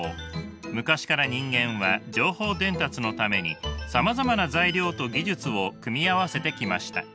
昔から人間は情報伝達のためにさまざまな材料と技術を組み合わせてきました。